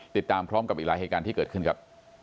ติดตามพร้อมกับอีกหลายเหตุการณ์ที่เกิดขึ้นครับ